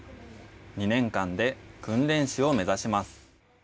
２年間で訓練士を目指します。